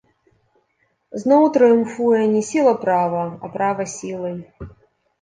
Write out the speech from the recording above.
Зноў трыумфуе не сіла права, а права сілы.